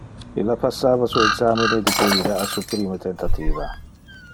Illa passava su examine de guida a su primo tentativa.